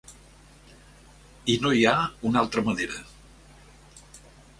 I no hi ha una altra manera.